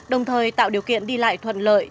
đồng thời tạo điều kiện đi lại thuận lợi